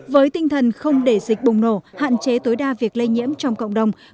với tinh thần không để dịch bùng nổ hạn chế tối đa việc lây nhiễm trong cộng đồng